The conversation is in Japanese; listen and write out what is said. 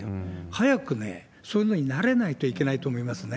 早くね、そういうのに慣れないといけないと思いますね。